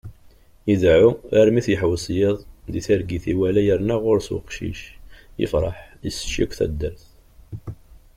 Ideεεu, armi t-yeḥwes yiḍes di targit iwala yerna γur-s uqcic, yefreḥ, isečč yakk taddart.